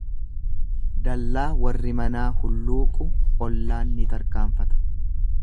Dallaa warri manaa hulluuqu ollaan ni tarkaanfata.